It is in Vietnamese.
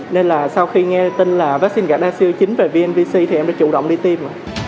nên là sau khi nghe tin là vaccine gardasil chín về vnvc thì em đã chủ động đi tiêm